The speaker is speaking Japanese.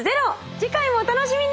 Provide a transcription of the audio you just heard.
次回もお楽しみに！